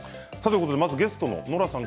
ゲストのノラさん